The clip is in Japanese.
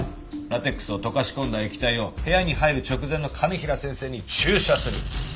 ラテックスを溶かし込んだ液体を部屋に入る直前の兼平先生に注射する。